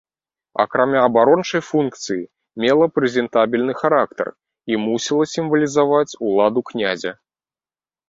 Акрамя абарончай функцыі мела прэзентабельны характар і мусіла сімвалізаваць уладу князя.